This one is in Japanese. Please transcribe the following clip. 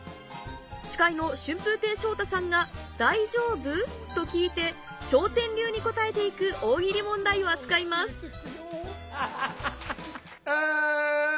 司会の春風亭昇太さんが「大丈夫？」と聞いて笑点流に答えて行く「大喜利」問題を扱いますえん！